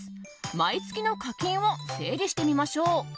毎月の課金を整理してみましょう。